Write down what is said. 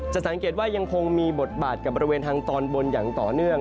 สังเกตว่ายังคงมีบทบาทกับบริเวณทางตอนบนอย่างต่อเนื่อง